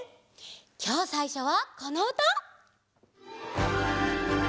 きょうさいしょはこのうた！